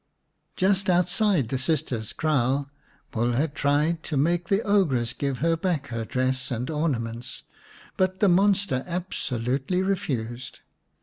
Just outside the sister's kraal Mulha tried to make the ogress give her back her dress and ornaments, but the monster absolutely refused.